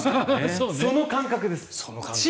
その感覚です。